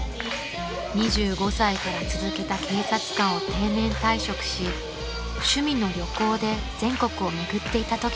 ［２５歳から続けた警察官を定年退職し趣味の旅行で全国を巡っていたときでした］